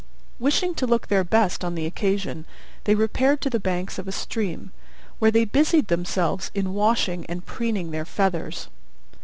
Wishing to look their best on the occasion they repaired to the banks of a stream, where they busied themselves in washing and preening their feathers.